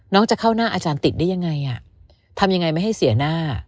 จะเข้าหน้าอาจารย์ติดได้ยังไงทำยังไงไม่ให้เสียหน้า